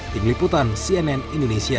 ting liputan cnn indonesia